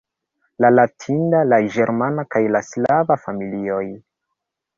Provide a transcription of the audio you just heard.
la latinida, la ĝermana kaj la slava familioj.